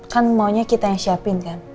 kan maunya kita yang siapin kan